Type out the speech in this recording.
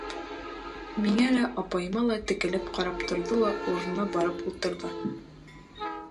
Миңә лә, апайыма ла текәлеп ҡарап торҙо ла урынына барып ултырҙы.